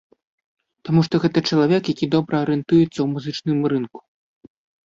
Таму што гэта чалавек, які добра арыентуецца ў музычным рынку.